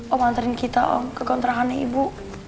om anterin kita om ke kontrakannya ibu